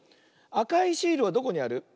あかいシールはどこにある？